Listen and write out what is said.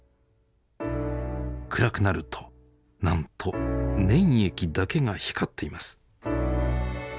暗くなるとなんと粘液だけが光っています。